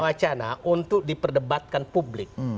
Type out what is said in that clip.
acana untuk diperdebatkan publik